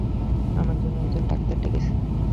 আপনার জন্য একজন ডাক্তার ডেকেছি।